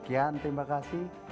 sekian terima kasih